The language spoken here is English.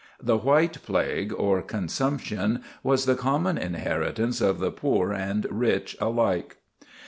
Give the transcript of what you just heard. The "White Plague," or consumption, was the common inheritance of the poor and rich alike.